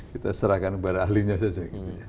kita serahkan kepada ahlinya saja